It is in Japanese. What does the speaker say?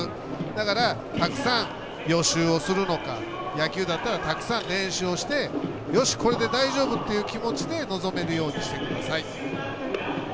だから、たくさん予習をするのか野球だったらたくさん練習をしてよし、これで大丈夫！っていう気持ちで臨めるようにはい。